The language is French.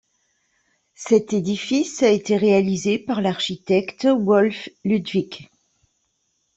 Cet édifice a été réalisé par l'architecte Wolff Ludwig.